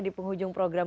di penghujung program